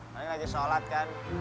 mending lagi sholat kan